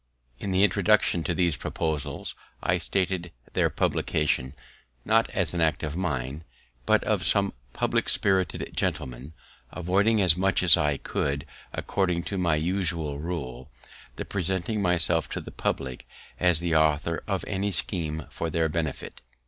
In the introduction to these proposals, I stated their publication, not as an act of mine, but of some publick spirited gentlemen, avoiding as much as I could, according to my usual rule, the presenting myself to the publick as the author of any scheme for their benefit.